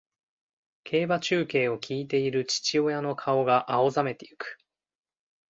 競馬中継を聞いている父親の顔が青ざめていく